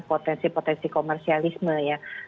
potensi potensi komersialisme ya